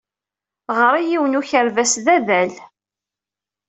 Ɣer-i yiwen n ukerbas d adal.